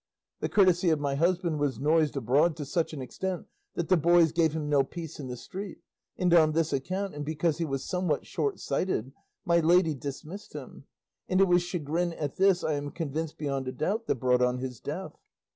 The courtesy of my husband was noised abroad to such an extent, that the boys gave him no peace in the street; and on this account, and because he was somewhat shortsighted, my lady dismissed him; and it was chagrin at this I am convinced beyond a doubt that brought on his death.